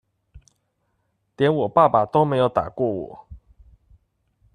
連我爸爸都沒有打過我